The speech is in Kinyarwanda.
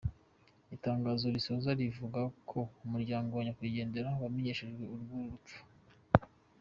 Itangazo risoza rivuga ko umuryango wa nyakwigendera wamenyeshejwe urwo rupfu.